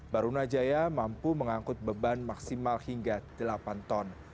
barunajaya mampu mengangkut beban maksimal hingga delapan ton